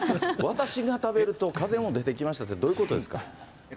私が食べると風も出てきましたって、どういうことですか。